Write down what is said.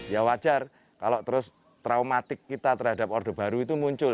ya wajar kalau terus traumatik kita terhadap orde baru itu muncul